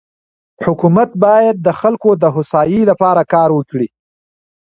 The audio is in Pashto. حکومت بايد د خلکو دهوسايي لپاره کار وکړي.